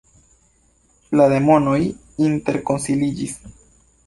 La demonoj interkonsiliĝis.